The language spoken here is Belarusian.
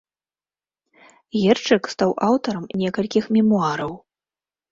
Герчык стаў аўтарам некалькіх мемуараў.